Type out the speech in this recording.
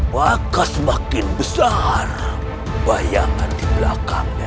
maka semakin besar bayangan di belakangnya